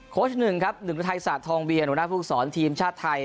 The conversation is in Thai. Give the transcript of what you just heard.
ชหนึ่งครับหนึ่งฤทัยศาสตทองเวียหัวหน้าภูมิสอนทีมชาติไทย